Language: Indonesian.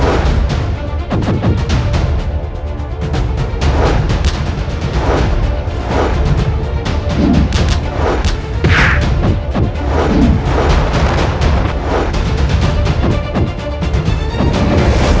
terima kasih haceb sortidium